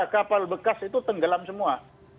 empat tiga kapal bekas itu tenggelam semua